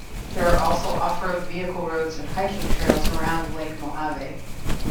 There are also off-road vehicle roads and hiking trails around Lake Mohave.